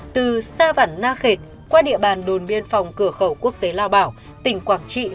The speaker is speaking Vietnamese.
từ sao vẳn na khệt qua địa bàn đồn biên phòng cửa khẩu quốc tế laos